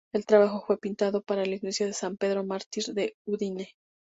El trabajo fue pintado para la iglesia de San Pedro Mártir de Udine.